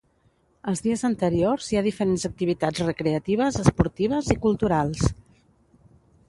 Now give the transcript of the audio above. Els dies anteriors hi ha diferents activitats recreatives, esportives i culturals.